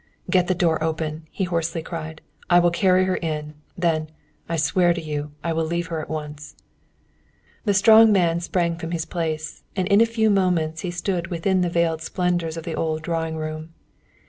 "Get the door open," he hoarsely cried. "I will carry her in. Then, I swear to you, I will leave her at once." The strong man sprang from his place, and in a few moments he stood within the veiled splendors of the old drawing room.